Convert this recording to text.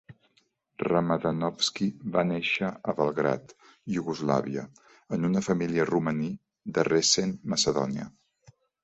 Ramadanovski va néixer a Belgrad, Iugoslàvia, en una família romaní de Resen, Macedònia.